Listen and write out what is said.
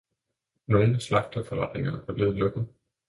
Nogle slagterforretninger er blevet lukket.